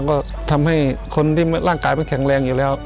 ก็ทำให้คนที่ร่างกายมันแข็งแรงอยู่แล้ว